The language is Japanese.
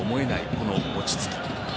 この落ち着き。